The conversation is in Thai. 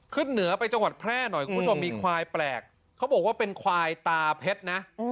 เหนือไปจังหวัดแพร่หน่อยคุณผู้ชมมีควายแปลกเขาบอกว่าเป็นควายตาเพชรนะ